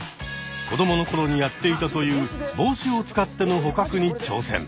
子供のころにやっていたというぼうしを使っての捕獲に挑戦。